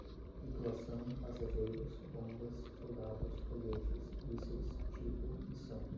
Tripulação, passageiros, bombas, soldados, foguetes, mísseis, tipo, missão